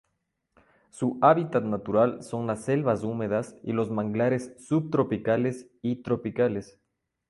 Su hábitat natural son las selvas húmedas y los manglares subtropicales y tropicales.